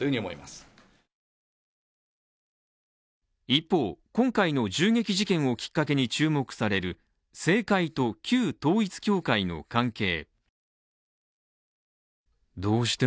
一方、今回の銃撃事件をきっかけに注目される、政界と旧統一教会の関係。